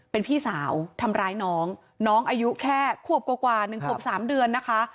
เป็นพี่สาวทำร้ายน้องน้องอายุแค่๑๓เดือนนะคะ